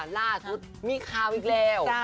ล่าสุดมีข่าวอีกแล้ว